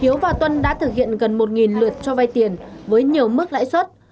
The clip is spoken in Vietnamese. hiếu và tuân đã thực hiện gần một lượt cho vay tiền với nhiều mức lãi suất